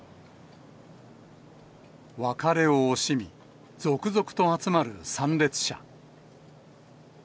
別れを惜しみ、続々と集まる参列者。